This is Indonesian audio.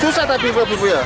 susah tapi buat ibu ya